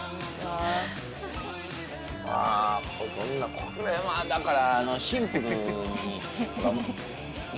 これはだから。